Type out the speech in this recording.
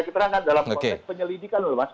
keterangan dalam konteks penyelidikan loh mas